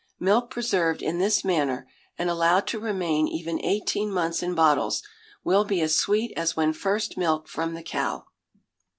Milk preserved in this manner, and allowed to remain even eighteen months in bottles, will be as sweet as when first milked from the cow.